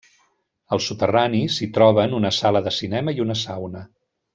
Al soterrani s'hi troben una sala de cinema i una sauna.